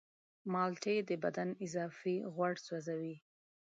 مالټې د بدن اضافي غوړ سوځوي.